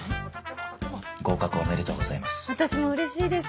合格おめでとうございます。